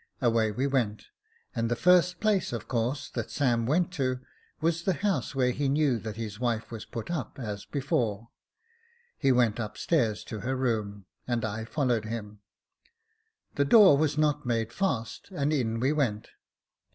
Away we went, and the first place, of course, that Sam went to, was the house were he knew that his wife put up at, as before. He went upstairs to her room, and I followed him. The door was not made fast, and in we went.